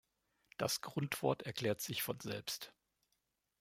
Das Grundwort erklärt sich von selbst.